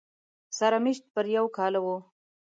سره مېشت پر یو کاله و